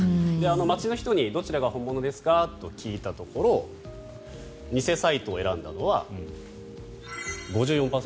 街の人にどちらが本物ですか？と聞いたところ偽サイトを選んだのは５４％。